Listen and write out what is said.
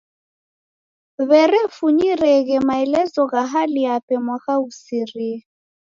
W'erefunyireghe maelezo gha hali yape mwaka ghusirie.